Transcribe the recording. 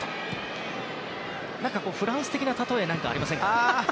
何か、フランス的な例えはありませんかね。